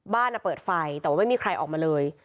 บ้านเปิดไฟแต่ว่าไม่มีใครออกมาเลย